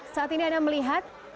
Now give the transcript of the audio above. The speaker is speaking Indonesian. saat ini anda melihat